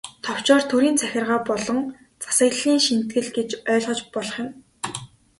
Товчоор, төрийн захиргаа болон засаглалын шинэтгэл гэж ойлгож болох юм.